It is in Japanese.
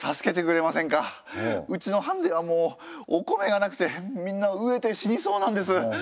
うちの藩ではもうお米がなくてみんなうえて死にそうなんです。